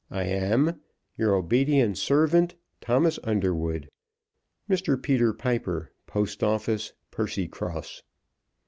I am, Your obedient servant, THOMAS UNDERWOOD. MR. PETER PIPER, Post office, Percycross.